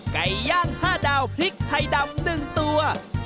ไก่ย่าง๕ดาวพริกไทยดำ๑ตัว